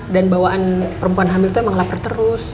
dan bawaan perempuan hamil tuh emang lapar terus